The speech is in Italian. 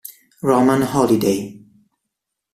Roman Holiday